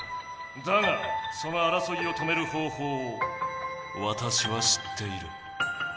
だがそのあらそいを止める方法をわたしは知っている。